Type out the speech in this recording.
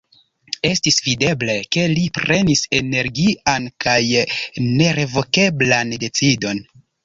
Estis videble, ke li prenis energian kaj nerevokeblan decidon.